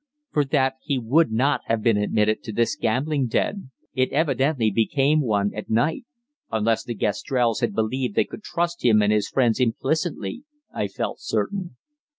For that he would not have been admitted to this gambling den it evidently became one at night unless the Gastrells had believed they could trust him and his friends implicitly, I felt certain.